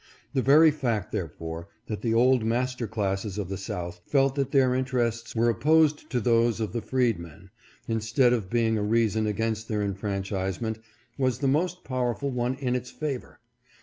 The very fact therefore that the old master classes of the South felt that their interests were opposed to those of the freedmen, instead of being a reason against their enfranchisement, was the most powerful one in its favor.